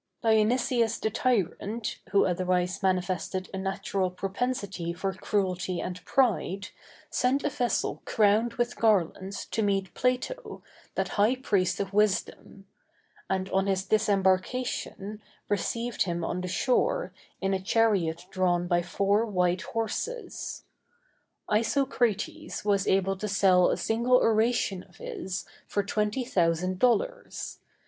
Dionysius the tyrant, who otherwise manifested a natural propensity for cruelty and pride, sent a vessel crowned with garlands to meet Plato, that high priest of wisdom; and on his disembarkation, received him on the shore, in a chariot drawn by four white horses. Isocrates was able to sell a single oration of his for twenty thousand dollars.